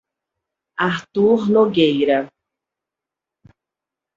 Artur Nogueira